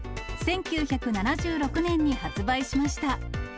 １９７６年に発売しました。